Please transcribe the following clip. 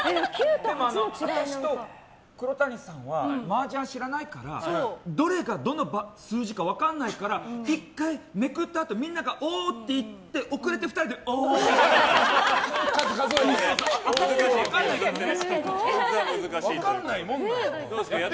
黒谷さんはマージャン知らないからどれがどの数字か分からないから１回めくったあとみんながおー！って言ったあと遅れて２人で、おー！って。